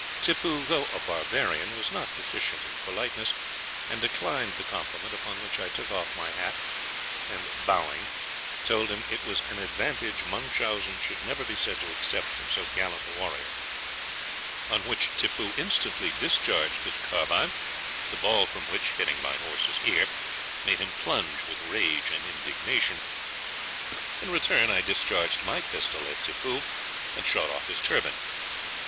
Tippoo, though a barbarian, was not deficient in politeness, and declined the compliment; upon which I took off my hat, and bowing, told him it was an advantage Munchausen should never be said to accept from so gallant a warrior: on which Tippoo instantly discharged his carbine, the ball from which, hitting my horse's ear, made him plunge with rage and indignation. In return I discharged my pistol at Tippoo, and shot off his turban.